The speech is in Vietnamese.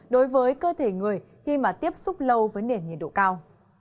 đối với cơ thể người khi mà tiếp xúc lâu với nền nhiệt độ cao